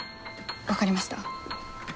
分かりました。